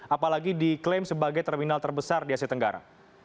apalagi diklaim sebagai terminal terbesar di asia tenggara